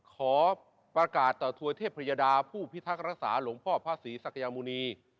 ขอประกาศต่อทัวร์เทพเทวดาผู้พิทธิ์ภรรษาหลวงพ่อพระศรีสักยมุณี